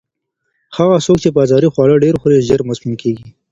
هغه څوک چې بازاري خواړه ډېر خوري، ژر مسموم کیږي.